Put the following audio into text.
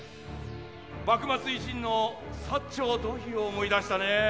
幕末維新の薩長土肥を思い出したねぇ。